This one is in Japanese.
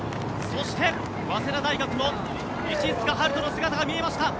そして早稲田大学も石塚陽士の姿が見えました。